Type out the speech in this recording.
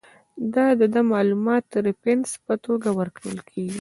د ده معلومات د ریفرنس په توګه ورکول کیږي.